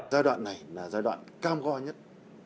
giai đoạn này là giai đoạn cam go nhất